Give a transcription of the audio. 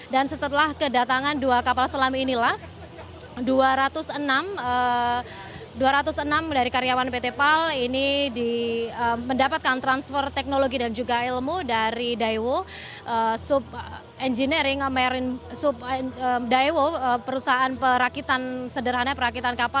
dan setelah kedatangan dua kapal selam inilah dua ratus enam dari karyawan pt pal ini mendapatkan transfer teknologi dan juga ilmu dari daewoo sub engineering